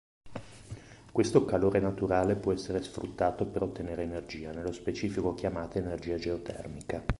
Questo calore naturale può essere sfruttato per ottenere energia, nello specifico chiamata energia geotermica.